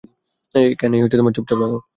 এখানেই চুপচাপ থাকো।